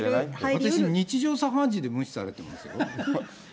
私、日常茶飯事で無視されてますよ。